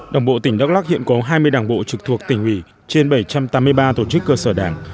đảng bộ tỉnh đắk lắc hiện có hai mươi đảng bộ trực thuộc tỉnh ủy trên bảy trăm tám mươi ba tổ chức cơ sở đảng